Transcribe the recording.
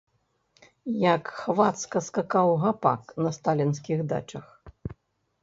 Як хвацка скакаў гапак на сталінскіх дачах!